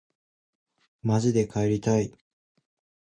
まじで帰りたい